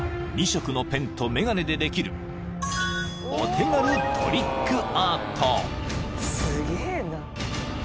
［２色のペンと眼鏡でできるお手軽トリックアート］